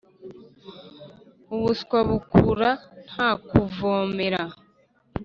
ubuswa bukura nta kuvomera